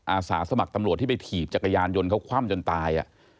อาสาสมัครตำรวจที่ไปถีบจักรยานยนต์เขาคว่ำจนตาย